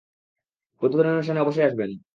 উদ্বোধনী অনুষ্ঠানে অবশ্যই আসবেন।